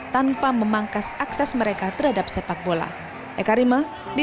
tanpa memangkas akses mereka terhadap sepak bola